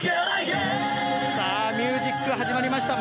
さあ、ミュージック始まりました。